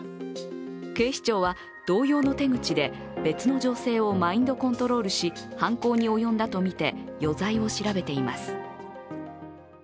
警視庁は同様の手口で別の女性をマインドコントロールし犯行に及んだとみて、余罪を調べています。